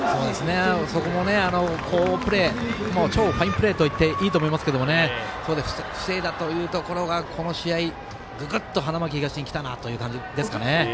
そこも好プレー超ファインプレーといっていいと思いますが防いだというところがこの試合、ググッと花巻東にきたなという感じですかね。